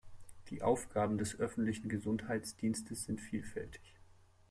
Die Aufgaben des öffentlichen Gesundheitsdienstes sind vielfältig.